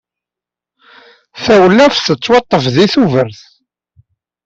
Tawlaft tettwaṭṭef deg Tuber.